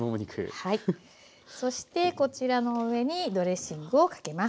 そしてこちらの上にドレッシングをかけます。